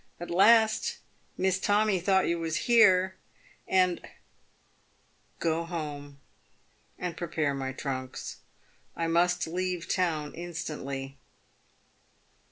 At last Miss Tommy thought you was here, and "" Go home and prepare my trunks. I must leave town instantly."